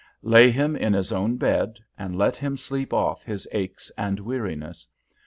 Lay him in his own bed, and let him sleep off his aches and weariness.